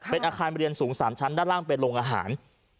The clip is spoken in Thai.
เป็นอาคารเรียนสูง๓ชั้นด้านล่างเป็นโรงอาหาร